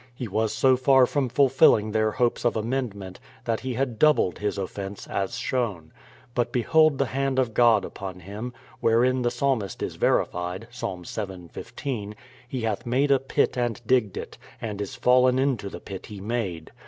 He was so far from ful filling their hopes of amendment, that he had doubled his offence, as shown. But behold the hand of God upon him, 160 BRADFORD'S HISTORY OF wherein the Psalmist Is verified (Psa. vii, 15) : He hath made a pit and digged it, and is fallen into the pit he made.